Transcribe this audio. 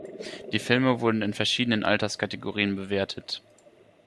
Die Filme wurden in verschiedenen Alterskategorien bewertet.